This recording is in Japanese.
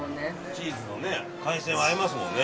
チーズと海鮮は合いますもんね。